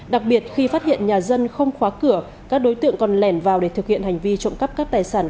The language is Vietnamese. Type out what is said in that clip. đặc biệt khi phát hiện nhà dân không khóa cửa các đối tượng còn lẻn vào để thực hiện hành vi trộm cắp các tài sản